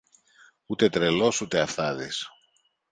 Ούτε τρελός ούτε αυθάδης.